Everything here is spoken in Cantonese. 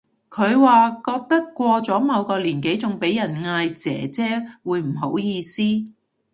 佢話覺得過咗某個年紀仲俾人嗌姐姐會唔好意思